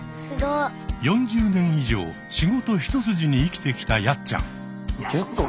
４０年以上仕事一筋に生きてきたやっちゃん。